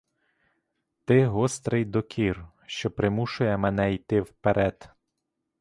Ти гострий докір, що примушує мене йти вперед.